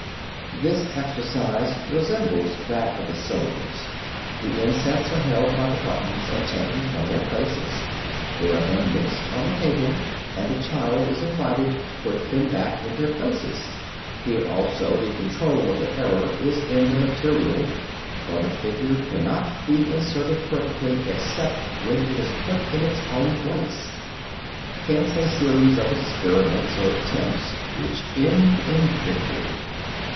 This exercise resembles that of the cylinders. The insets are held by the buttons and taken from their places. They are then mixed on the table and the child is invited to put them back in their places. Here also the control of the error is in the material, for the figure cannot be inserted perfectly except when it is put in its own place. Hence a series of "experiments," of "attempts" which end in victory.